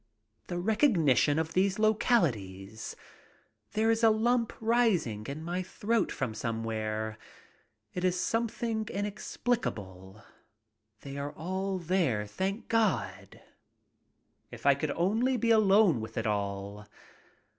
The recognition of these localities! There is a lump rising in my throat from somewhere. It is something inex plicable. They are there, thank God ! If I could only be alone with it all.